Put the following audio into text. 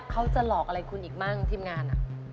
เขาจะหลอกอะไรกูอีกบ้างทีมงาน